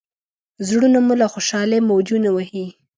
زړونه مو له خوشالۍ موجونه وهي.